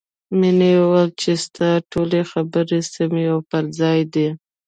مینې وویل چې ستا ټولې خبرې سمې او پر ځای دي